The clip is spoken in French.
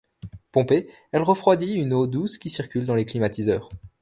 Pompée, elle refroidit une eau douce qui circule dans les climatiseurs.